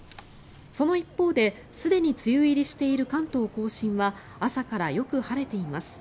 その一方ですでに梅雨入りしている関東・甲信は朝からよく晴れています。